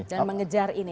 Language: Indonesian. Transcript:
dan mengejar ini